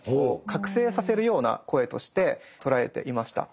覚醒させるような声として捉えていました。